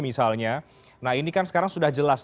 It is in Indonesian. misalnya nah ini kan sekarang sudah jelas